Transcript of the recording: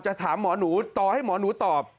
ถามหมอหนูต่อให้หมอหนูตอบ